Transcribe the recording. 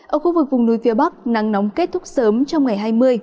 ở khu vực vùng núi phía bắc nắng nóng kết thúc sớm trong ngày hai mươi